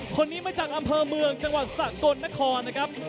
คนนี้มาจากอำเภอเมืองจังหวัดสกลนครนะครับ